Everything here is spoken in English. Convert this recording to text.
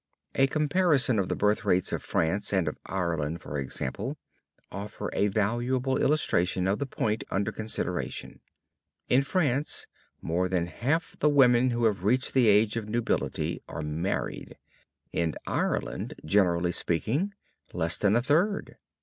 A comparison of the birth rates of France and of Ireland, for example, offer a valuable illustration of the point under consideration. In France, more than half the women who have reached the age of nubility are married; in Ireland, generally speaking, less than a third.